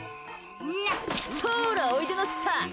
そら、おいでなすった！